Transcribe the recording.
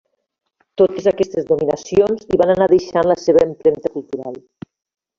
Totes aquestes dominacions hi van anar deixant la seva empremta cultural.